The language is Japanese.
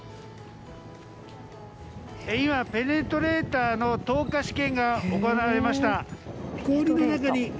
ペネトレーターの投下実験が行われました。